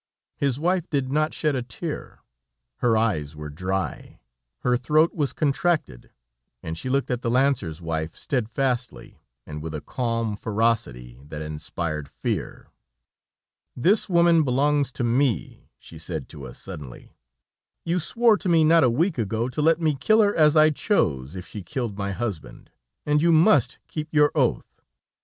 His wife did not shed a tear. Her eyes were dry, her throat was contracted, and she looked at the lancer's wife steadfastly, and with a calm ferocity that inspired fear. "This woman belongs to me," she said to us suddenly. "You swore to me not a week ago, to let me kill her as I chose, if she killed my husband, and you must keep your oath.